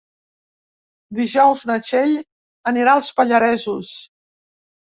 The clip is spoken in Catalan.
Dijous na Txell anirà als Pallaresos.